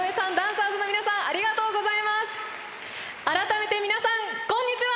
改めて皆さんこんにちは！